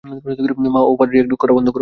মা, overreact করা বন্ধ করো।